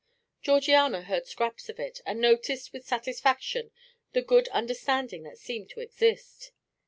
Georgiana heard scraps of it, and noticed with satisfaction the good understanding that seemed to exist.